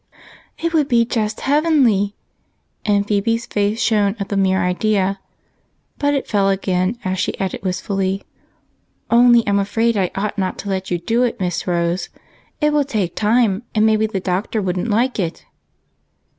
"It would be just heavenly!" and Phebe's face shone at the mere idea; bat fell again as she added wistfully, " Only I 'm afraid I ought not to let you do it, Miss Rose. It will take time, and maybe the Doctor wouldn't like it."